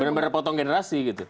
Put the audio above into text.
benar benar potong generasi